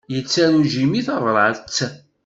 Yettaru Jimmy tabrat?